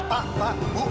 pak pak ibu